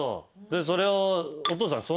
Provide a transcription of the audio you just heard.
でそれをお父さんに。